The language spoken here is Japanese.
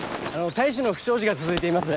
隊士の不祥事が続いています。